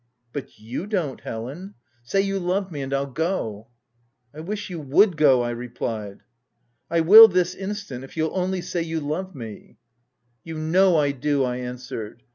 But you don't, Helen — say you love me, and I'll go." " I wish you would go !'' I replied. " I will, this instant, — if you'll only say you love me." " You know I do," I answered.